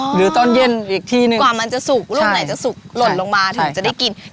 หรือตอนเย็นอีกทีหนึ่งกว่ามันจะสุกลูกไหนจะสุกหล่นลงมาถึงจะได้กิน